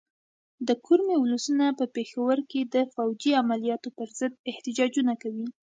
د کرمې ولسونه په پېښور کې د فوځي عملیاتو پر ضد احتجاجونه کوي.